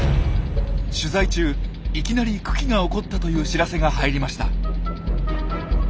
取材中いきなり群来が起こったという知らせが入りました。